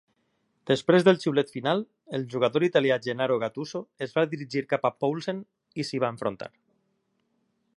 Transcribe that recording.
Després del xiulet final, el jugador italià Gennaro Gattuso es va dirigir cap a Poulsen i s'hi va enfrontar.